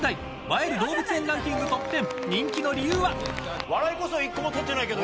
映える動物園ランキングトップ１０人気の理由は？